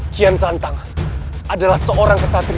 kian santang adalah seorang kesatria